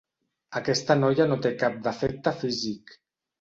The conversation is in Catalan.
Aquesta noia no té cap defecte físic.